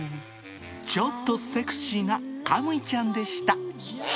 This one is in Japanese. ちょっとセクシーな神威ちゃんでした。